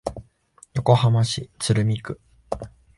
横浜市鶴見区